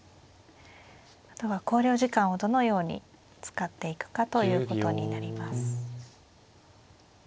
あとは考慮時間をどのように使っていくかということになります。